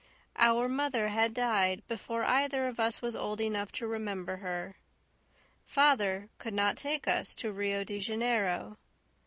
Our mother had died before either of us was old enough to remember her; father could not take us to Rio de Janeiro.